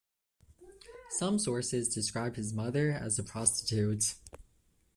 Some sources describe his mother as a prostitute.